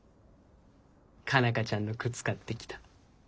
佳奈花ちゃんの靴買ってきた。